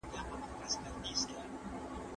له آسمانه چي به ولیدې کوترو